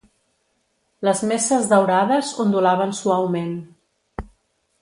Les messes daurades ondulaven suaument.